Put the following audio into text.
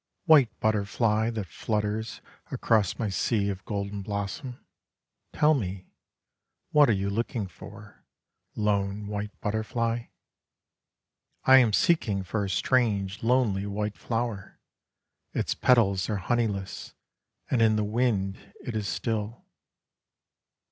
White butterfly that flutters across my sea of golden blossom; Tell me, what are you looking for, lone white butterfly? I am seeking for a strange lonely white flower; Its petals are honeyless; and in the wind it is still.